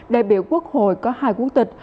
đại biểu quốc hội có hai quốc tịch